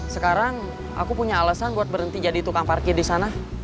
sekarang aku punya alasan buat berhenti jadi tukang parkir di sana